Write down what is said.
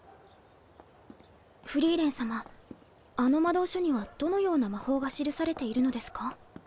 フリーレン様あの魔導書にはどのような魔法が記されているのですか？